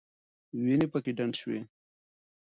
وینې پکې ډنډ شوې.